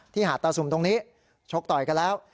หาดตาสุ่มตรงนี้ชกต่อยกันแล้ว